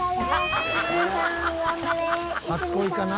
初恋かな？